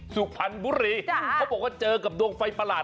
สุพรรณบุรีเขาบอกว่าเจอกับดวงไฟประหลาด